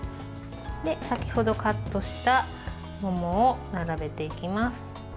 先程カットした桃を並べていきます。